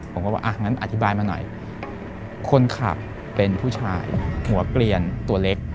ผมก็บอกอ่ะงั้นอธิบายมาหน่อยคนขับเป็นผู้ชายหัวเกลียนตัวเล็ก